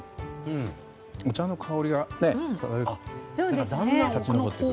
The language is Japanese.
お茶の香りが立ち上ってくる。